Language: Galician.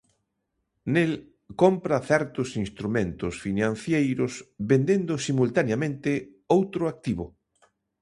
Nel, compra certos instrumentos financeiros vendendo simultaneamente outro activo.